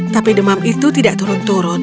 tapi demam itu tidak turun turun